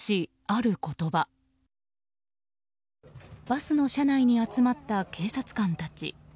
バスの車内に集まった警察官たち。